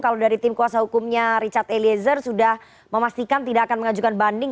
kalau dari tim kuasa hukumnya richard eliezer sudah memastikan tidak akan mengajukan banding